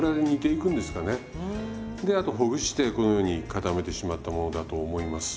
であとほぐしてこのように固めてしまったものだと思います。